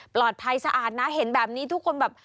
ปลอดภัยสะอาดนะเห็นแบบนี้ทุกคนแบบ